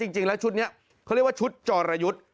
จริงแล้วชุดนี้เขาเรียกว่าชุดจรยุทธ์